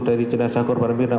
dari jenazah korban pindah